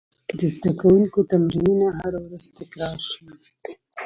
د زده کوونکو تمرینونه هره ورځ تکرار شول.